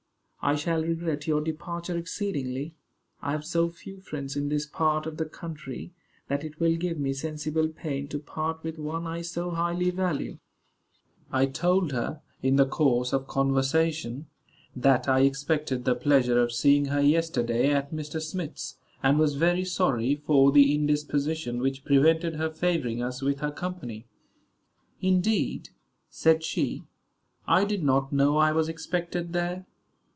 "I shall regret your departure exceedingly. I have so few friends in this part of the country, that it will give me sensible pain to part with one I so highly value." I told her, in the course of conversation, that I expected the pleasure of seeing her yesterday at Mr. Smith's, and was very sorry for the indisposition which prevented her favoring us with her company. "Indeed," said she, "I did not know I was expected there.